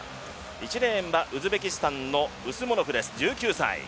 １レーンはウズベキスタンのウスモノフです、１９歳。